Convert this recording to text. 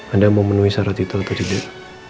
anda mau menuhi syarat itu atau tidak